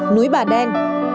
núi bà đen